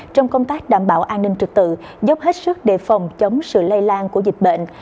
trong công tác đảm bảo an ninh trực tự giúp hết sức đề phòng chống sự lây lan của dịch bệnh